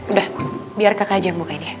udah biar kakak aja yang bukain ya